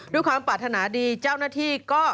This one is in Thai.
ด้วยความปรารถนาดีเจ้าหน้าที่ก็